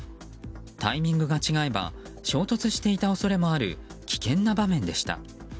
タイミングが違えば衝突していた恐れもある危険な場面でした。